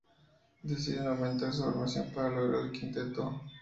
Deciden aumentar su formación para lograr el quinteto.